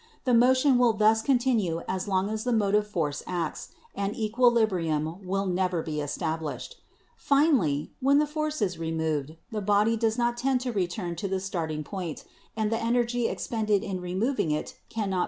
The motion will thus continue as long as the motive force acts, and equilibrium will never be established. Finally, when the force is removed, the body does not tend to return to the starting point, and the energy expended in removing it cannot be restored ; it Fig.